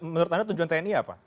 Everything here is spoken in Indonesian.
menurut anda tujuan tni apa